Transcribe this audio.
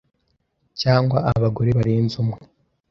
cyangwa abagore barenze umwe,